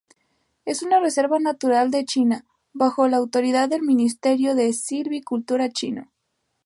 Es una reserva natural de China, bajo la autoridad del Ministerio de Silvicultura chino.